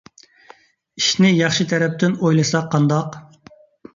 ئىشنى ياخشى تەرەپتىن ئويلىساق قانداق؟